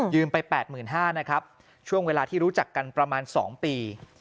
ไป๘๕๐๐นะครับช่วงเวลาที่รู้จักกันประมาณ๒ปี